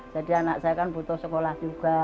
jadi anak saya butuh sekolah juga